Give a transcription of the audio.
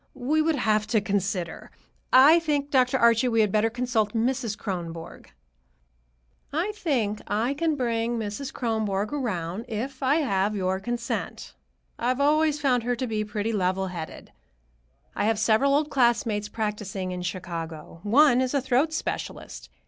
We would have to consider. I think, Dr. Archie, we had better consult Mrs. Kronborg." "I think I can bring Mrs. Kronborg around, if I have your consent. I've always found her pretty level headed. I have several old classmates practicing in Chicago. One is a throat specialist.